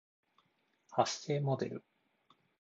発声モデル